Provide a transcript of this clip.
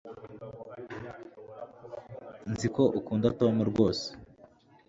nzi ko ukunda tom rwose